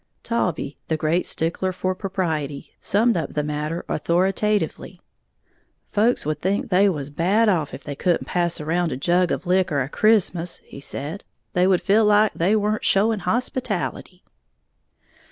Taulbee, the great stickler for propriety, summed up the matter authoritatively: "Folks would think they was bad off if they couldn't pass around a jug of liquor a Christmas," he said; "they would feel like it weren't showing hospitality."